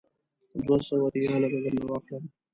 دوه سوه ریاله به درنه واخلم.